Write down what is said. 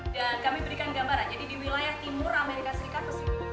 dan kami berikan gambar aja di wilayah timur amerika serikat